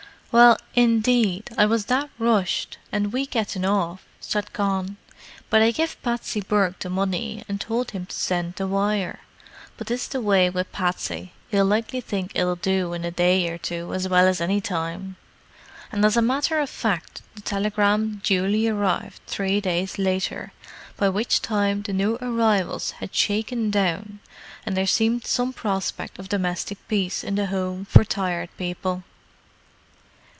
"Well, indeed, I was that rushed, an' we gettin' off," said Con. "But I give Patsy Burke the money and towld him to send the wire. But 'tis the way with Patsy he'll likely think it'll do in a day or two as well as any time." And as a matter of fact, the telegram duly arrived three days later—by which time the new arrivals had shaken down, and there seemed some prospect of domestic peace in the Home for Tired People.